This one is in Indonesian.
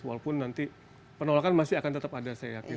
walaupun nanti penolakan masih akan tetap ada saya yakin